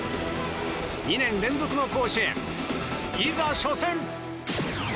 ２年連続の甲子園、いざ初戦。